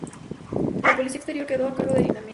La política exterior quedó a cargo de Dinamarca.